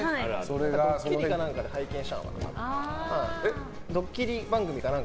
ドッキリかなんかで拝見したのかな。